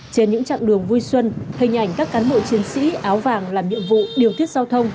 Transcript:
trên những trạng đường vui xuân hình ảnh các cán bộ chiến sĩ áo vàng làm nhiệm vụ điều tiết giao thông